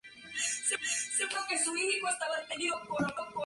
Numerosos prodigios tuvieron lugar en ese tiempo y lugar.